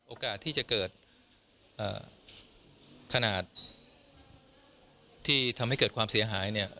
โอกาสที่จะเกิดขนาดที่ทำให้เกิดความเสียหายเนี่ย